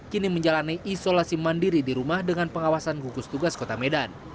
kini menjalani isolasi mandiri di rumah dengan pengawasan gugus tugas kota medan